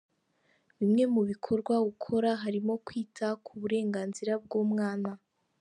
Bimwe mu bikorwa ukora harimo kwita ku burenganzira bw’umwana.